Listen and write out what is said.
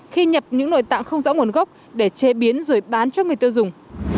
khi nhập những nội tạng không rõ nguồn gốc để chế biến rồi bán cho người tiêu dùng